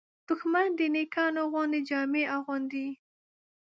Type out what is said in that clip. دښمن د نېکانو غوندې جامې اغوندي